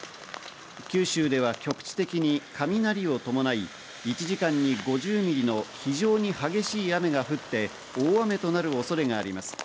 九州では局地的に雷を伴い１時間に５０ミリの非常に激しい雨が降って大雨となる恐れがあります。